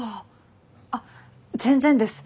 あっ全然です！